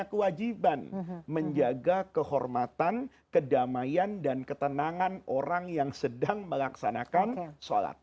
kewajiban menjaga kehormatan kedamaian dan ketenangan orang yang sedang melaksanakan sholat